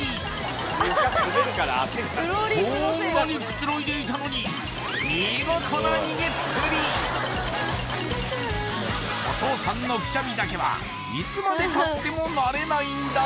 こんなにくつろいでいたのにお父さんのくしゃみだけはいつまでたっても慣れないんだ